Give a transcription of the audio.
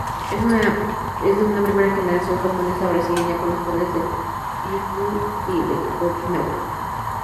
Es de una primera generación japonesa-brasileña, con los padres de Ryukyu de Okinawa.